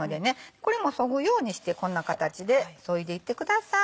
これもそぐようにしてこんな形でそいでいってください。